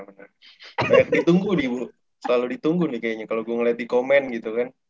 banyak ditunggu nih bu selalu ditunggu nih kayaknya kalo gue ngeliat di komen gitu kan